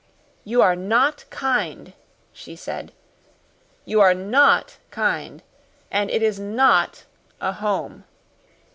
"You are not kind," she said. "You are NOT kind, and it is NOT a home."